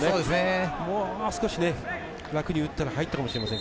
もう少し枠に打ったら入っていたかもしれません。